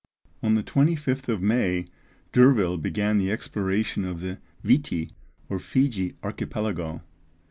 On the 25th of May, D'Urville began the exploration of the Viti or Fiji Archipelago.